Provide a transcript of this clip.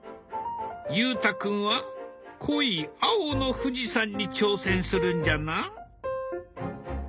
裕太君は濃い青の富士山に挑戦するんじゃな。